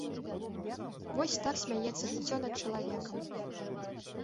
Вось так смяецца жыццё над чалавекам.